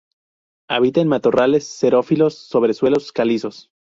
Habita en matorrales xerófilos sobre suelos calizos.